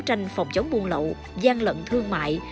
đấu tranh phòng chống buôn lậu gian lận thương mại